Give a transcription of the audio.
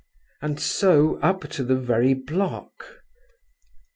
And so up to the very block.